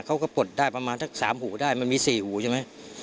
เขาก็ปลดได้ประมาณสามหูได้มันมีสี่หูใช่ไหม